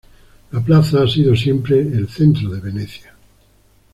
La plaza ha sido siempre el centro de Venecia.